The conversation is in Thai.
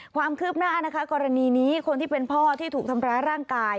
ความคืบหน้านะคะกรณีนี้คนที่เป็นพ่อที่ถูกทำร้ายร่างกาย